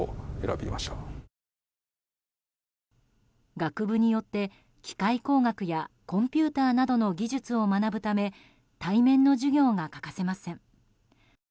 学部によって機械工学やコンピューターなどの技術を学ぶため対面の授業が欠かせません。